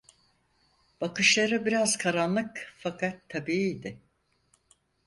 Bakışları biraz karanlık fakat tabiiydi.